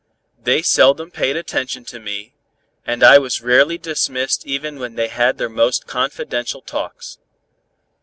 They seldom paid attention to me, and I was rarely dismissed even when they had their most confidential talks.